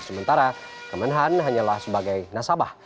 sementara kemenhan hanyalah sebagai nasabah